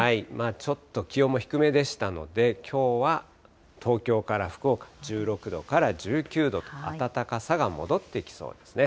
ちょっと気温も低めでしたので、きょうは東京から福岡、１６度から１９度と、暖かさが戻ってきそうですね。